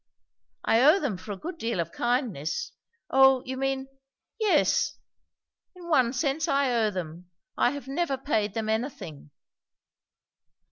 I owe them for a good deal of kindness. O! you mean Yes, in one sense I owe them. I have never paid them anything."